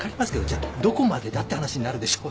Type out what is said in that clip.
じゃどこまでだって話になるでしょ。